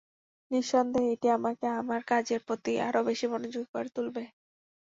নিঃসন্দেহে এটি আমাকে আমার কাজের প্রতি আরও বেশি মনোযোগী করে তুলবে।